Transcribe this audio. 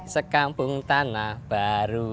sekampung tanah baru